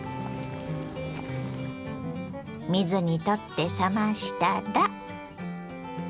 水にとって冷ましたら。